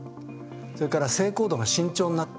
それから性行動が慎重になった。